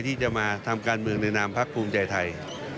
ที่จะมาทำการเมืองในนามพักภูมิใจไทย